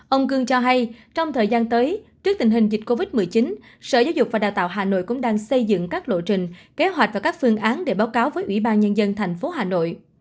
ông cương cho hay trong thời gian tới trước tình hình dịch covid một mươi chín sở giáo dục và đào tạo hà nội cũng đang xây dựng các lộ trình kế hoạch và các phương án để báo cáo với ủy ban nhân dân tp hà nội